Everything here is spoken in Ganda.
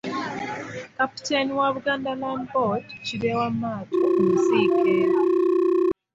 Kapiteeni wa Buganda Land Board, Kireewa Maato mu nsiike.